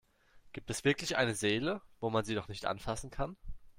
Gibt es wirklich eine Seele, wo man sie doch nicht anfassen kann?